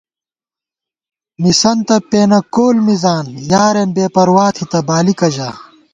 مِسَنتہ پېنہ کول مِزان یارېن بېپروا تھِتہ ، بالِکہ ژا